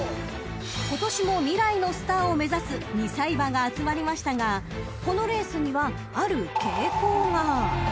［今年も未来のスターを目指す２歳馬が集まりましたがこのレースにはある傾向が］